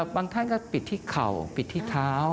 บางท่านก็ปิดที่เข่าปิดที่เท้า